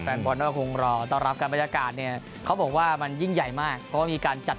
มันยิ่งใหญ่ม์มากเพราะว่ามีการจัด